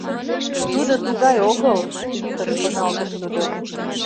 Тудо тугай огыл, — йӱкын шоналтыш тудо.